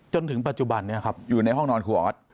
จนถึงปัจจุบันอยู่ในห้องนอนคู่ออส